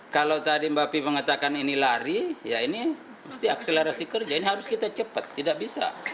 kalau tadi mbak pi mengatakan ini lari ya ini mesti akselerasi kerja ini harus kita cepat tidak bisa